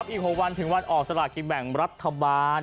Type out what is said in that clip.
อีก๖วันถึงวันออกสลากินแบ่งรัฐบาล